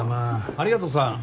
ありがとさん。